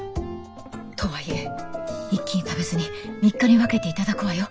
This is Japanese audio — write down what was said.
とはいえ一気に食べずに３日に分けて頂くわよ。